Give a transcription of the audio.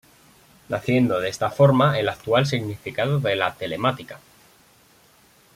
Naciendo de esta forma el actual significado de la telemática.